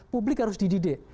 publik harus dididik